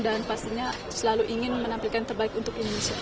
dan pastinya selalu ingin menampilkan terbaik untuk indonesia